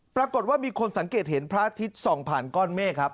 ปรากฏว่ามีคนสังเกตเห็นพระอาทิตย์ส่องผ่านก้อนเมฆครับ